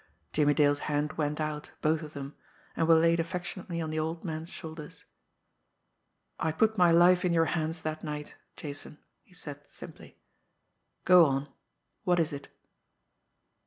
Jimmie Dale's hand went out, both of them, and were laid affectionately on the old man's shoulders. "I put my life in your hands that night, Jason," he said simply. "Go on. What is it?"